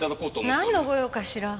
なんのご用かしら？